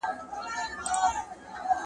د انسان ارزښت په تقوا دی.